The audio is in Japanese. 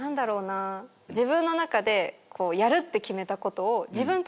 自分の中でやるって決めたことを。